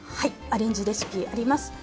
アレンジレシピあります。